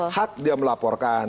hak dia melaporkan